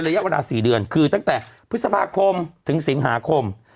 ระยะเวลา๔เดือนคือตั้งแต่พฤษภาคมถึงสิงหาคม